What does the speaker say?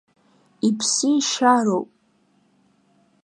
Иԥсишьароуп.